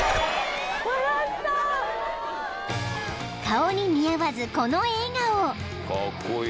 ［顔に似合わずこの笑顔］